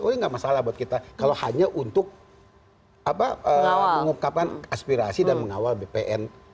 oh ini nggak masalah buat kita kalau hanya untuk mengungkapkan aspirasi dan mengawal bpn